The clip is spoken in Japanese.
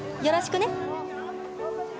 よろしくね。